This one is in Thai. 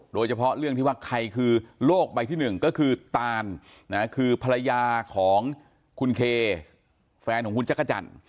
โดยเฉพาะเรื่องที่ว่าใครคือโลกใบที่๑ก็คือตานคือภรรยาของคุณเคแฟนของคุณจักรจันทร์